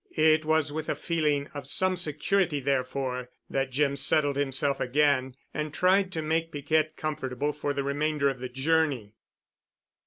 It was with a feeling of some security therefore that Jim settled himself again and tried to make Piquette comfortable for the remainder of the journey.